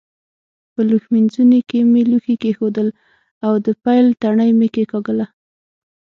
په لوښ مینځوني کې مې لوښي کېښودل او د پیل تڼۍ مې کېکاږله.